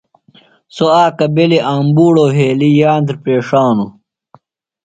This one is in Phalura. سوۡ اکہ بیلیۡ آمبُوڑو وھیلیۡ یاندرہ پیݜانوۡ۔